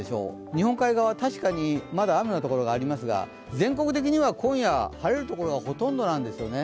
日本海側、確かにまだ雨の所がありますが全国的には今夜、晴れる所がほとんどなんですよね。